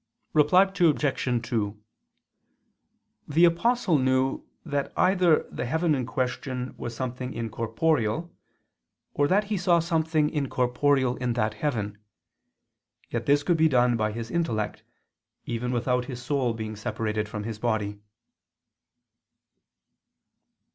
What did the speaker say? Reply Obj. 2: The Apostle knew that either the heaven in question was something incorporeal, or that he saw something incorporeal in that heaven; yet this could be done by his intellect, even without his soul being separated from his body.